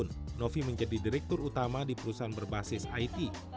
novi menjadi direktur utama di perusahaan berbasis it